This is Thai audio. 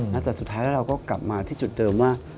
แล้วแต่สุดท้ายแล้วเราก็กลับมาที่จุดเดิมว่า